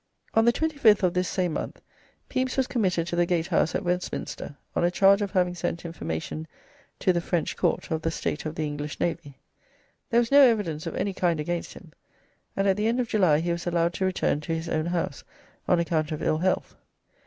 On the 25th of this same month Pepys was committed to the Gatehouse at Westminster on a charge of having sent information to the French Court of the state of the English navy. There was no evidence of any kind against him, and at the end of July he was allowed to return to his own house on account of ill health.